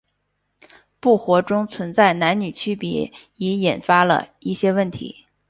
部活中存在的男女区别已引发了一些问题。